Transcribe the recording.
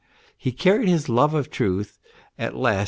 He carried his love of truth at last to MR.